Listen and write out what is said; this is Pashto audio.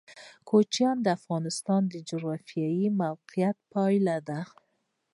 کوچیان د افغانستان د جغرافیایي موقیعت پایله ده.